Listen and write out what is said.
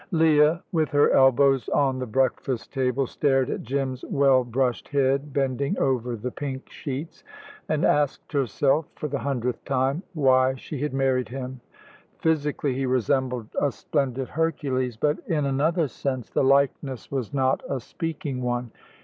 Leah, with her elbows on the breakfast table, stared at Jim's well brushed head bending over the pink sheets, and asked herself, for the hundredth time, why she had married him. Physically he resembled a splendid Hercules, but in another sense the likeness was not a speaking one.